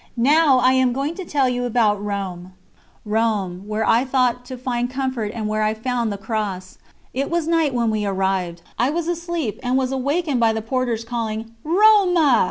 Now I am going to tell you about Rome Rome, where I thought to find comfort and where I found the cross. It was night when we arrived. I was asleep, and was awakened by the porters calling: "Roma!"